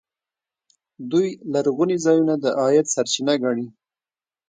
دوی لرغوني ځایونه د عاید سرچینه ګڼي.